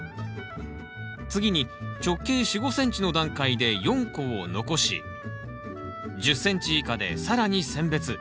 次に直径４５ｃｍの段階で４個を残し１０ｃｍ以下で更に選別。